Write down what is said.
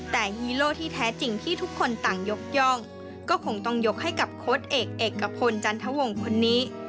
แต่ฮีโร่ที่แท้จริงที่ทุกคนต่างยกย่องก็คงต้องยกให้กับโค้ดเอกเอกพลจันทวงคนนี้